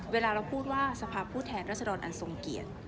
เวลาเราพูดว่าสภาพผู้แทนรัศดรอันทรงเกียรติ